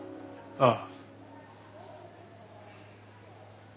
ああ。